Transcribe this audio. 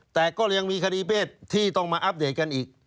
แต่ก็ยังมีคดีเพศที่ต้องมาอัปเดตกันอีก